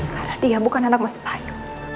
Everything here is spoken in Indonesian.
karena dia bukan anak mas payu